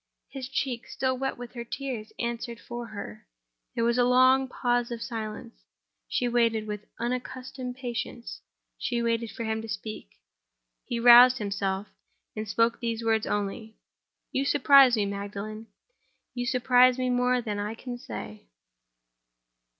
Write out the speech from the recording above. His cheek, still wet with her tears, answered for her. There was a long pause of silence; she waited—with unaccustomed patience, she waited for him to speak. He roused himself, and spoke these words only: "You surprise me, Magdalen; you surprise me more than I can say."